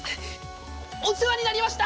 お世話になりました！